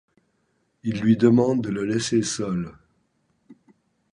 Il lui demande de le laisser seul.